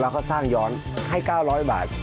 เราก็สร้างยรท์ให้๙๐๐บาท